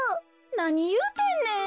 なにいうてんねん。